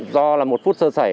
nó xảy ra do một phút sơ sơ